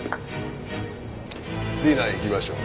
ディナーへ行きましょう。